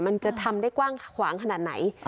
มันจะทำได้กว้างขวางขนาดไหน